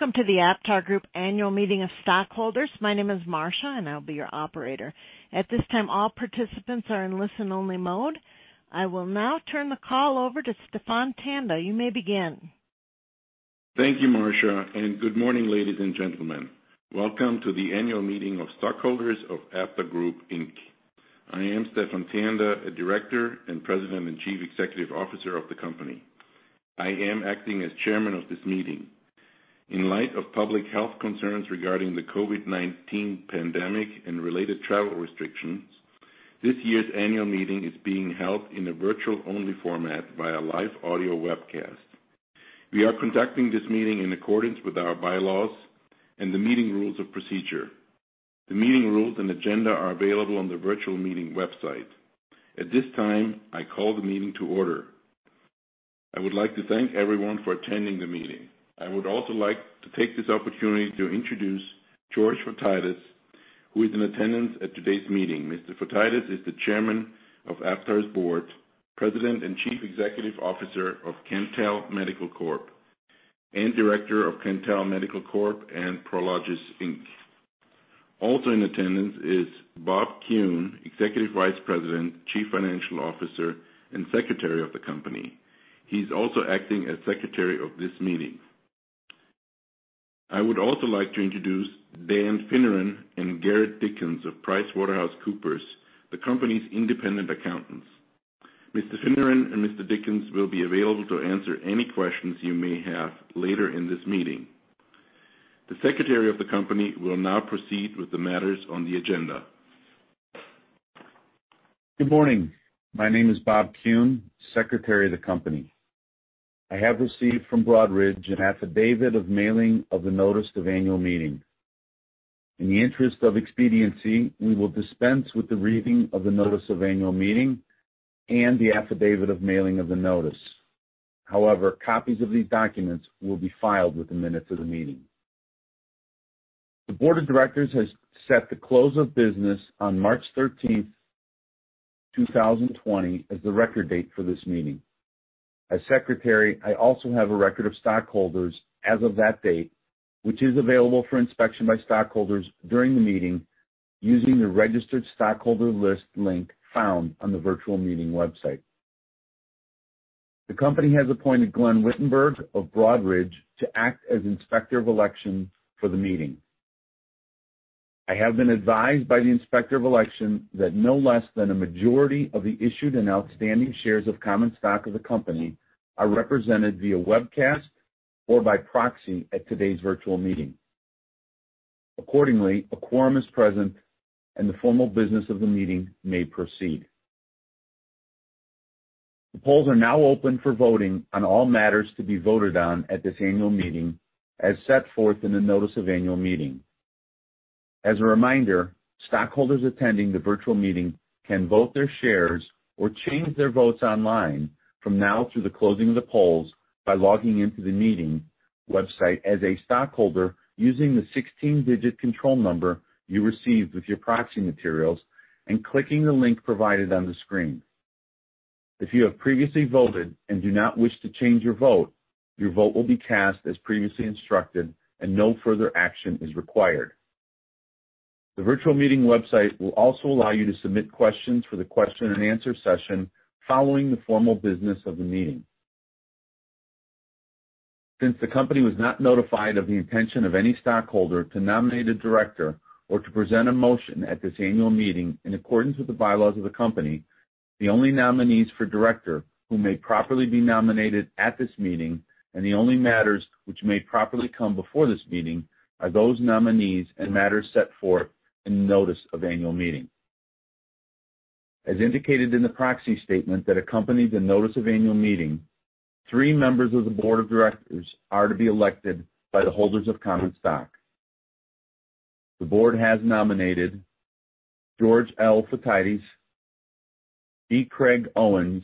Welcome to the AptarGroup Annual Meeting of Stockholders. My name is Marsha, and I'll be your operator. At this time, all participants are in listen-only mode. I will now turn the call over to Stephan Tanda. You may begin. Thank you, Marsha. Good morning, ladies and gentlemen. Welcome to the annual meeting of stockholders of AptarGroup, Inc. I am Stephan Tanda, a Director and President and Chief Executive Officer of the company. I am acting as chairman of this meeting. In light of public health concerns regarding the COVID-19 pandemic and related travel restrictions, this year's annual meeting is being held in a virtual-only format via live audio webcast. We are conducting this meeting in accordance with our bylaws and the meeting rules of procedure. The meeting rules and agenda are available on the virtual meeting website. At this time, I call the meeting to order. I would like to thank everyone for attending the meeting. I would also like to take this opportunity to introduce George Fotiades, who is in attendance at today's meeting. Mr. Fotiades is the chairman of Aptar's board, president and chief executive officer of Cantel Medical Corp, and director of Cantel Medical Corp and Prologis, Inc Also in attendance is Bob Kuhn, Executive Vice President, Chief Financial Officer, and Secretary of the company. He's also acting as secretary of this meeting. I would also like to introduce Dan Finneran and Garrett Dickens of PricewaterhouseCoopers, the company's independent accountants. Mr. Finneran and Mr. Dickens will be available to answer any questions you may have later in this meeting. The secretary of the company will now proceed with the matters on the agenda. Good morning. My name is Bob Kuhn, secretary of the company. I have received from Broadridge an affidavit of mailing of the notice of annual meeting. In the interest of expediency, we will dispense with the reading of the notice of annual meeting and the affidavit of mailing of the notice. However, copies of these documents will be filed with the minutes of the meeting. The board of directors has set the close of business on March 13, 2020, as the record date for this meeting. As secretary, I also have a record of stockholders as of that date, which is available for inspection by stockholders during the meeting using the registered stockholder list link found on the virtual meeting website. The company has appointed Glenn Wittenberg of Broadridge to act as Inspector of Election for the meeting. I have been advised by the Inspector of Election that no less than a majority of the issued and outstanding shares of common stock of the company are represented via webcast or by proxy at today's virtual meeting. Accordingly, a quorum is present, and the formal business of the meeting may proceed. The polls are now open for voting on all matters to be voted on at this annual meeting, as set forth in the notice of annual meeting. As a reminder, stockholders attending the virtual meeting can vote their shares or change their votes online from now through the closing of the polls by logging in to the meeting website as a stockholder using the 16-digit control number you received with your proxy materials and clicking the link provided on the screen. If you have previously voted and do not wish to change your vote, your vote will be cast as previously instructed and no further action is required. The virtual meeting website will also allow you to submit questions for the question and answer session following the formal business of the meeting. Since the company was not notified of the intention of any stockholder to nominate a director or to present a motion at this annual meeting in accordance with the bylaws of the company, the only nominees for director who may properly be nominated at this meeting and the only matters which may properly come before this meeting are those nominees and matters set forth in the notice of annual meeting. As indicated in the proxy statement that accompanied the notice of annual meeting, three members of the board of directors are to be elected by the holders of common stock. The board has nominated George L. Fotiades, B. Craig Owens,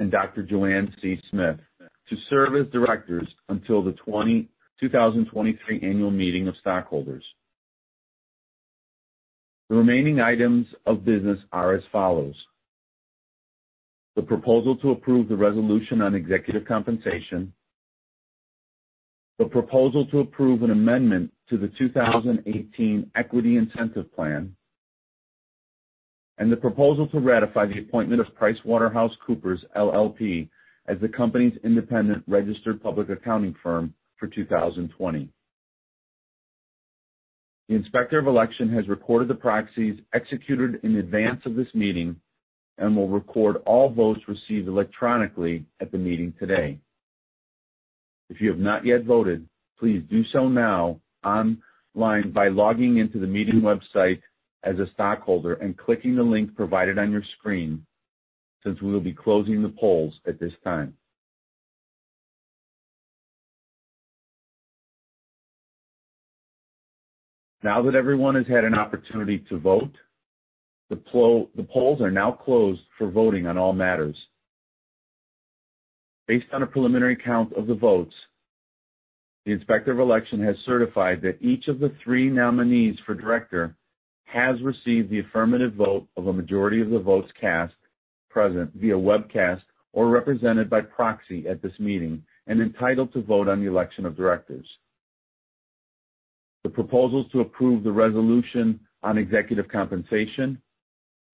and Dr. Joanne C. Smith to serve as directors until the 2023 annual meeting of stockholders. The remaining items of business are as follows. The proposal to approve the resolution on executive compensation, the proposal to approve an amendment to the 2018 Equity Incentive Plan, and the proposal to ratify the appointment of PricewaterhouseCoopers LLP, as the company's independent registered public accounting firm for 2020. The Inspector of Election has recorded the proxies executed in advance of this meeting and will record all votes received electronically at the meeting today. If you have not yet voted, please do so now online by logging in to the meeting website as a stockholder and clicking the link provided on your screen, since we will be closing the polls at this time. Now that everyone has had an opportunity to vote, the polls are now closed for voting on all matters. Based on a preliminary count of the votes, the Inspector of Election has certified that each of the three nominees for director has received the affirmative vote of a majority of the votes cast, present via webcast or represented by proxy at this meeting and entitled to vote on the election of directors. The proposals to approve the resolution on executive compensation,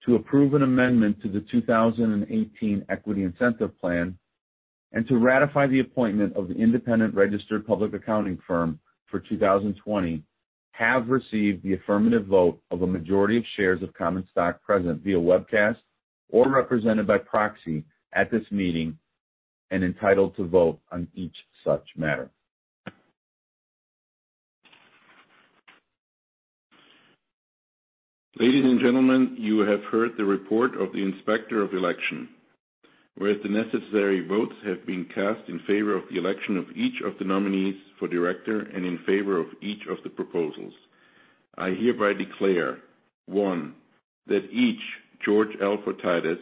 to approve an amendment to the 2018 Equity Incentive Plan, and to ratify the appointment of the independent registered public accounting firm for 2020 have received the affirmative vote of a majority of shares of common stock present via webcast or represented by proxy at this meeting and entitled to vote on each such matter. Ladies and gentlemen, you have heard the report of the inspector of election. Whereas the necessary votes have been cast in favor of the election of each of the nominees for director and in favor of each of the proposals, I hereby declare, one, that each, George L. Fotiades,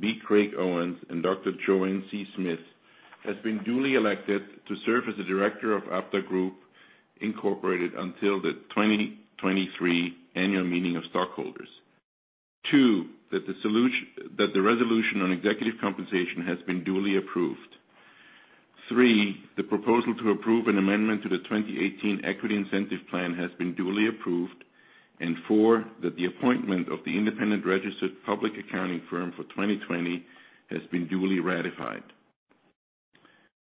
B. Craig Owens, and Dr. Joanne C. Smith, has been duly elected to serve as a director of AptarGroup, Inc. until the 2023 annual meeting of stockholders. Two, that the resolution on executive compensation has been duly approved. Three, the proposal to approve an amendment to the 2018 Equity Incentive Plan has been duly approved, and four, that the appointment of the independent registered public accounting firm for 2020 has been duly ratified.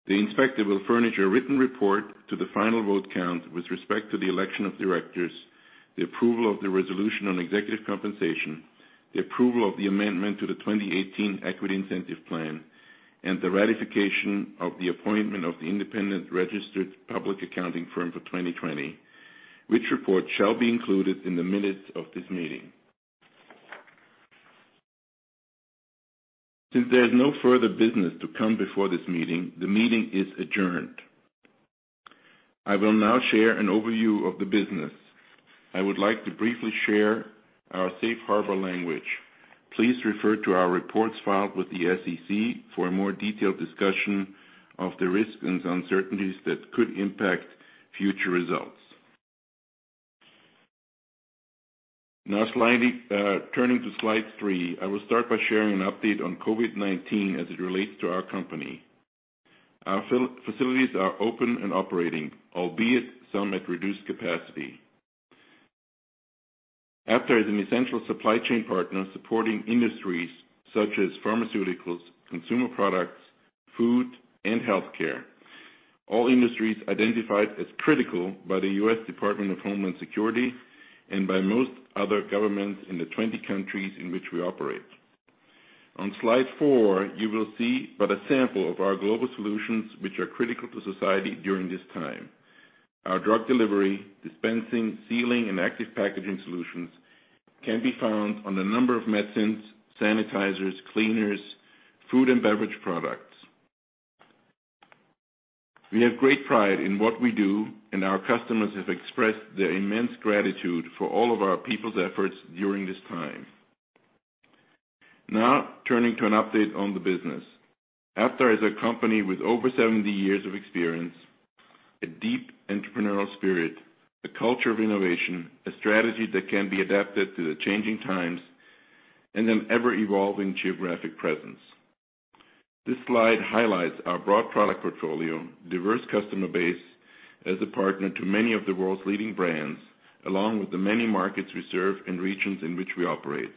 The inspector will furnish a written report to the final vote count with respect to the election of directors, the approval of the resolution on executive compensation, the approval of the amendment to the 2018 Equity Incentive Plan, and the ratification of the appointment of the independent registered public accounting firm for 2020, which report shall be included in the minutes of this meeting. Since there's no further business to come before this meeting, the meeting is adjourned. I will now share an overview of the business. I would like to briefly share our safe harbor language. Please refer to our reports filed with the SEC for a more detailed discussion of the risks and uncertainties that could impact future results. Now, turning to slide three, I will start by sharing an update on COVID-19 as it relates to our company. Our facilities are open and operating, albeit some at reduced capacity. Aptar is an essential supply chain partner supporting industries such as pharmaceuticals, consumer products, food, and healthcare, all industries identified as critical by the U.S. Department of Homeland Security and by most other governments in the 20 countries in which we operate. On slide four, you will see but a sample of our global solutions, which are critical to society during this time. Our drug delivery, dispensing, sealing, and active packaging solutions can be found on a number of medicines, sanitizers, cleaners, food, and beverage products. We have great pride in what we do, and our customers have expressed their immense gratitude for all of our people's efforts during this time. Now, turning to an update on the business. Aptar is a company with over 70 years of experience, a deep entrepreneurial spirit, a culture of innovation, a strategy that can be adapted to the changing times, and an ever-evolving geographic presence. This slide highlights our broad product portfolio, diverse customer base as a partner to many of the world's leading brands, along with the many markets we serve and regions in which we operate.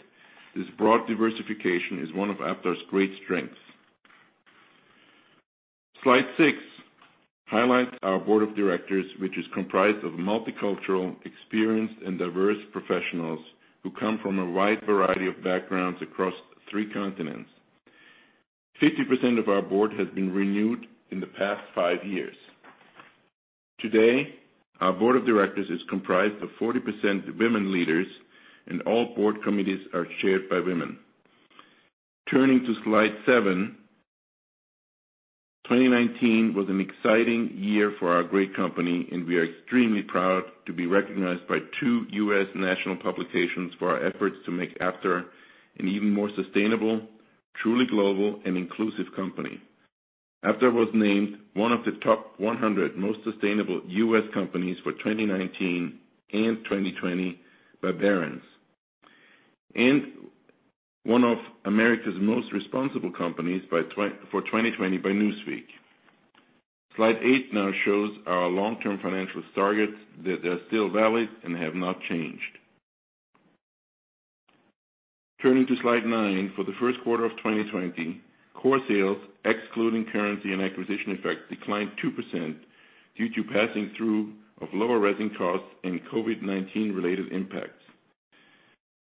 This broad diversification is one of Aptar's great strengths. Slide six highlights our board of directors, which is comprised of multicultural, experienced, and diverse professionals who come from a wide variety of backgrounds across three continents, 50% of our board has been renewed in the past five years. Today, our board of directors is comprised of 40% women leaders, and all board committees are chaired by women. Turning to slide seven. 2019 was an exciting year for our great company, and we are extremely proud to be recognized by two U.S. national publications for our efforts to make Aptar an even more sustainable, truly global, and inclusive company. Aptar was named one of the top 100 most sustainable U.S. companies for 2019 and 2020 by Barron's, and one of America's most responsible companies for 2020 by Newsweek. Slide eight now shows our long-term financial targets, that they are still valid and have not changed. Turning to slide nine, for the first quarter of 2020, core sales, excluding currency and acquisition effects, declined 2% due to passing through of lower resin costs and COVID-19 related impacts.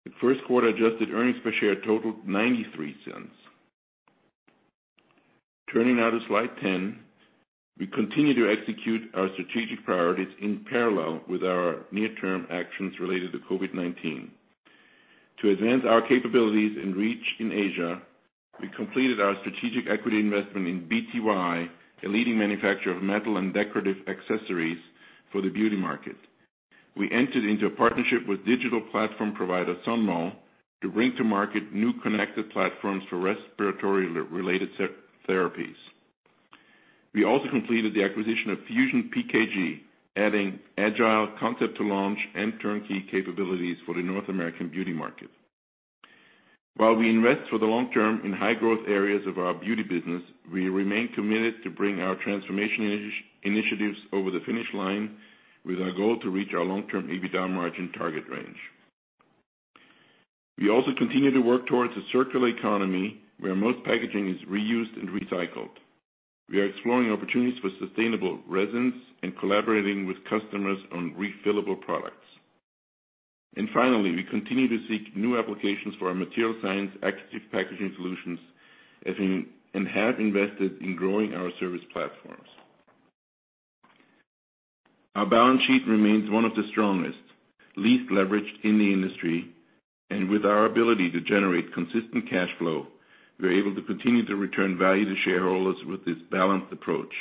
The first quarter adjusted earnings per share totaled $0.93. Turning now to slide 10, we continue to execute our strategic priorities in parallel with our near-term actions related to COVID-19. To advance our capabilities and reach in Asia, we completed our strategic equity investment in BTY, a leading manufacturer of metal and decorative accessories for the beauty market. We entered into a partnership with digital platform provider, Sonmol, to bring to market new connected platforms for respiratory-related therapies. We also completed the acquisition of FusionPKG, adding agile concept to launch and turnkey capabilities for the North American beauty market. While we invest for the long term in high growth areas of our beauty business, we remain committed to bring our transformation initiatives over the finish line with our goal to reach our long-term EBITDA margin target range. We also continue to work towards a circular economy where most packaging is reused and recycled. We are exploring opportunities for sustainable resins and collaborating with customers on refillable products. Finally, we continue to seek new applications for our material science active packaging solutions and have invested in growing our service platforms. Our balance sheet remains one of the strongest, least leveraged in the industry. With our ability to generate consistent cash flow, we're able to continue to return value to shareholders with this balanced approach.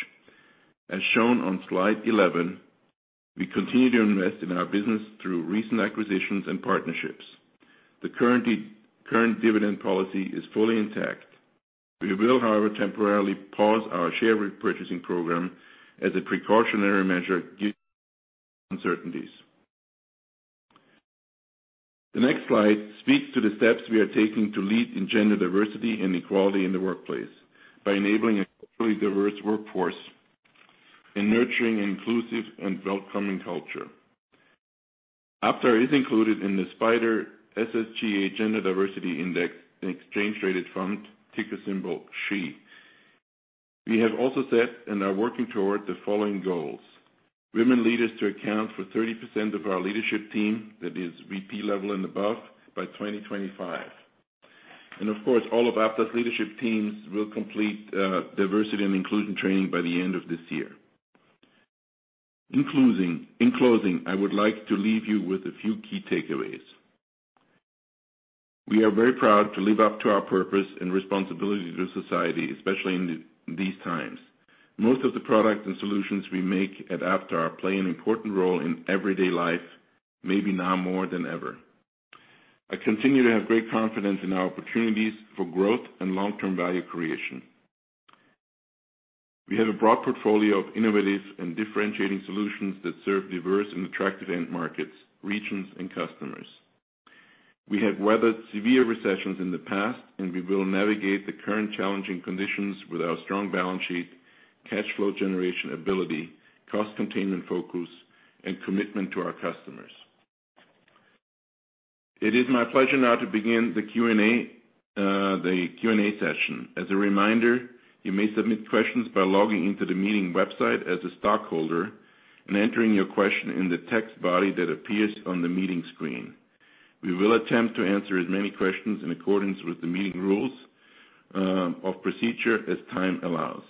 As shown on slide 11, we continue to invest in our business through recent acquisitions and partnerships. The current dividend policy is fully intact. We will, however, temporarily pause our share repurchasing program as a precautionary measure due to uncertainties. The next slide speaks to the steps we are taking to lead in gender diversity and equality in the workplace by enabling a culturally diverse workforce and nurturing inclusive and welcoming culture. Aptar is included in the SPDR SSGA Gender Diversity Index in exchange-traded fund, ticker symbol SHE. We have also set and are working toward the following goals. Women leaders to account for 30% of our leadership team, that is VP level and above, by 2025. Of course, all of Aptar's leadership teams will complete diversity and inclusion training by the end of this year. In closing, I would like to leave you with a few key takeaways. We are very proud to live up to our purpose and responsibility to society, especially in these times. Most of the products and solutions we make at Aptar play an important role in everyday life, maybe now more than ever. I continue to have great confidence in our opportunities for growth and long-term value creation. We have a broad portfolio of innovative and differentiating solutions that serve diverse and attractive end markets, regions, and customers. We have weathered severe recessions in the past, and we will navigate the current challenging conditions with our strong balance sheet, cash flow generation ability, cost containment focus, and commitment to our customers. It is my pleasure now to begin the Q&A session. As a reminder, you may submit questions by logging into the meeting website as a stockholder and entering your question in the text body that appears on the meeting screen. We will attempt to answer as many questions in accordance with the meeting rules of procedure as time allows.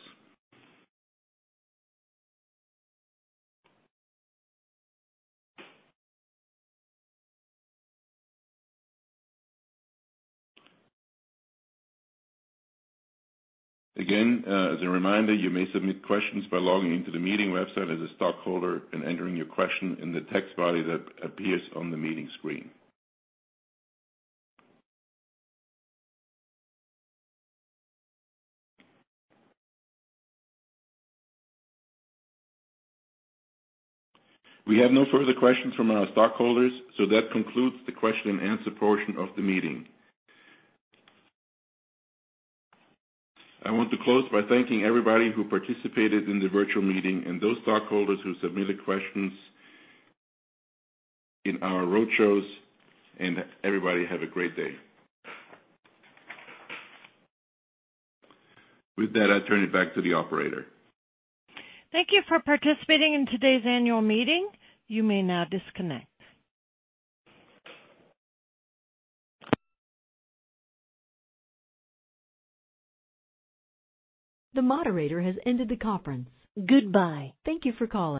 As a reminder, you may submit questions by logging into the meeting website as a stockholder and entering your question in the text body that appears on the meeting screen. We have no further questions from our stockholders, that concludes the question and answer portion of the meeting. I want to close by thanking everybody who participated in the virtual meeting and those stockholders who submitted questions in our roadshows. Everybody have a great day. With that, I turn it back to the operator. Thank you for participating in today's annual meeting. You may now disconnect. The moderator has ended the conference. Goodbye. Thank you for calling.